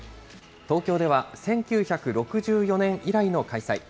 東京では１９６４年以来の開催。